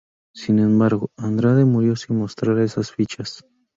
Sin embargo Andrade murió sin mostrar esas fichas.